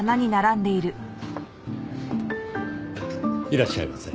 いらっしゃいませ。